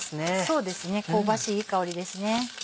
そうですね香ばしいいい香りですね。